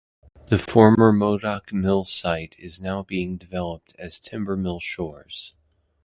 The former Modoc mill site is now being developed as Timbermill Shores.